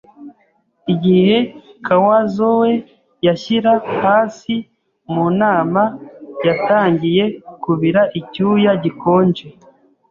Igihe Kawazoe yanshyira hasi mu nama, natangiye kubira icyuya gikonje